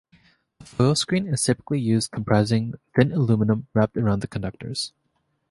A foil-screen is typically used, comprising thin aluminium wrapped around the conductors.